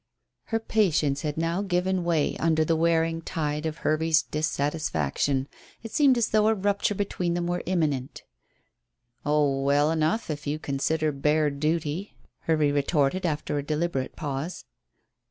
Her patience had now given way under the wearing tide of Hervey's dissatisfaction, and it seemed as though a rupture between them were imminent. "Oh, well enough, if you consider bare duty," Hervey retorted after a deliberate pause.